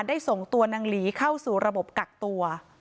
ส่งตัวนางหลีเข้าสู่ระบบกักตัว